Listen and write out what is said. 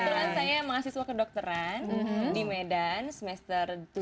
kebetulan saya mahasiswa kedokteran di medan semester tujuh